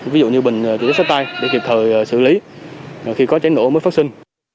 ví dụ như bình chế sát tay để kịp thời xử lý khi có cháy nổ mới phát sinh